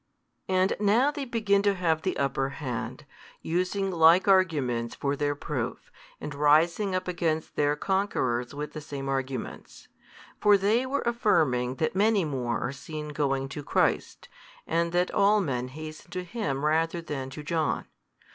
And now they begin to have the upper hand, using like arguments for their proof, and rising up against their conquerors with the same arguments. For they were affirming that many more are seen going to Christ, and that all men hasten to Him rather than to John.